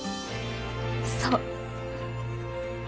そう。